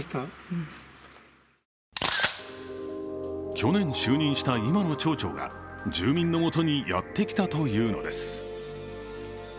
去年就任した今の町長が住民のもとにやってきたというのです。